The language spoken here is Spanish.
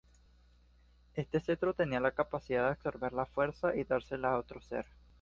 Este cetro tenía la capacidad de absorber La Fuerza y dársela a otro ser.